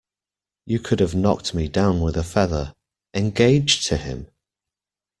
You could have knocked me down with a feather. "Engaged to him?"